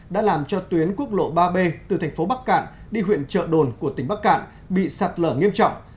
đã làm cho tuyến quốc lộ ba b từ thành phố bắc cạn đi huyện trợ đồn của tỉnh bắc cạn bị sạt lở nghiêm trọng